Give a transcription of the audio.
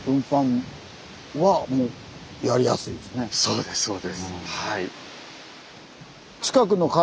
そうですそうですはい。